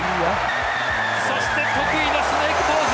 そして得意のスネークポーズ！